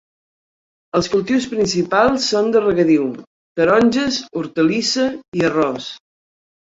Els cultius principals són de regadiu: taronges, hortalissa i arròs.